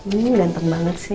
ini ganteng banget sih